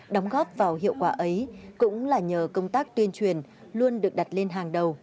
đóng góp vào hiệu quả ấy cũng là nhờ công tác tuyên truyền